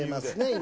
今。